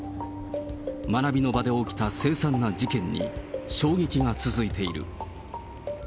学びの場で起きた凄惨な事件に衝撃が続いている。